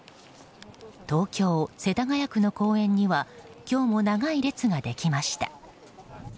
東京・世田谷区の公園には今日も長い列ができました。